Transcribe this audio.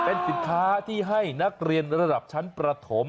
เป็นสินค้าที่ให้นักเรียนระดับชั้นประถม